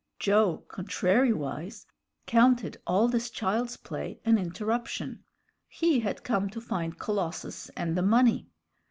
Joe, contrariwise, counted all this child's play an interruption. He had come to find Colossus and the money.